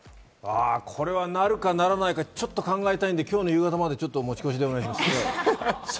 これはなるかならないか、ちょっと考えたいので夕方まで持ち越しでお願いします。